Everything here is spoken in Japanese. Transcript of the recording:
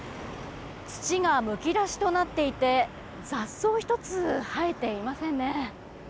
土がむき出しとなっていて雑草１つ生えていませんね。